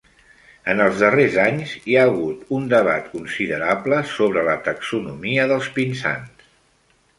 En els darrers anys, hi ha hagut un debat considerable sobre la taxonomia dels pinsans.